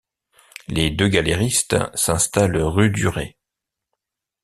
Les deux galeristes s'installent rue Duret.